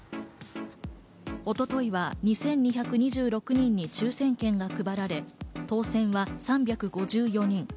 一昨日は２２２６人に抽選券が配られ、当選は３５４人。